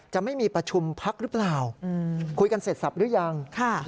จะไม่มีประชุมพักหรือเปล่าคุยกันเสร็จสับหรือยัง